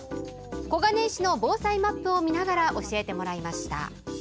小金井市の防災マップを見ながら教えてもらいました。